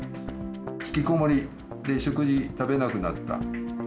引きこもりで食事食べなくなった。